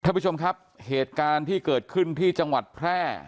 ท่านผู้ชมครับเหตุการณ์ที่เกิดขึ้นที่จังหวัดแพร่